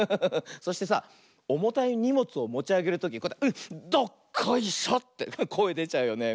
そしてさおもたいにもつをもちあげるとき「うっどっこいしょ！」ってこえでちゃうよね。